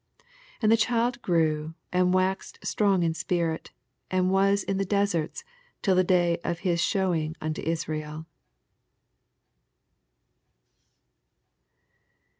80 And the child grew, and waxed strong in spirit, and was in the deserts till the day of his skewing unto Isreel.